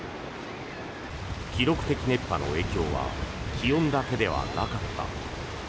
記録的熱波の影響は気温だけではなかった。